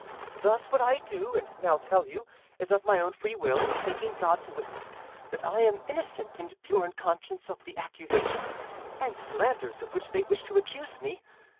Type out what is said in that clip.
Thus what I do, and now tell you, is of my own free will, taking God to witness that I am innocent and pure in conscience of the accusations and slanders of which they wish to accuse me.